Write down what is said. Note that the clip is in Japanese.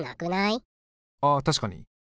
あ確かに。